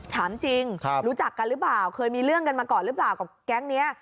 ถามจริงรู้จักกันหรือเปล่าเคยมีเรื่องกันมาก่อนหรือเปล่ากับแก๊งนี้